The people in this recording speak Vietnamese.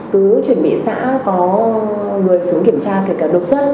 cứ chuẩn bị xã có người xuống kiểm tra kể cả đột xuất